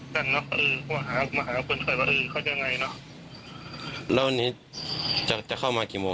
เดี๋ยวผมรถไปรับก็ได้ไม่เป็นไรเลขอยู่ไหน